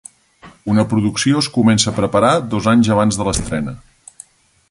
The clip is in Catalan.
Una producció es comença a preparar dos anys abans de l'estrena.